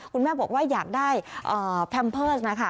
คุณแม่บอกว่าอยากได้แพมเพิร์สนะคะ